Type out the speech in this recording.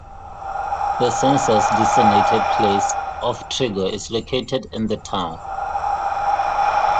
The census-designated place of Trego is located in the town.